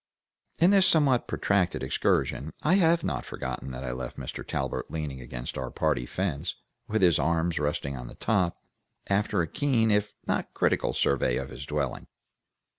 In this somewhat protracted excursion I have not forgotten that I left Mr. Talbert leaning against our party fence, with his arms resting on the top, after a keen if not critical survey of his dwelling.